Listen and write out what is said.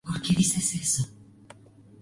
La Armada británica lo llamó "Raider A".